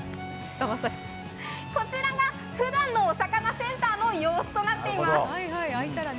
こちらがふだんのお魚センターの様子となっています。